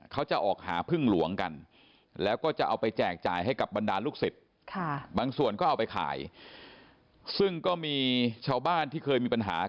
เขาจะออกหาพึ่งหลวงกันแล้วก็จะเอาไปแจกจ่ายให้กับบรรดาลูกศิษย์